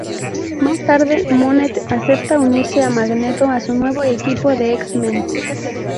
Más tarde, Monet acepta unirse a Magneto y su nuevo equipo de X-Men.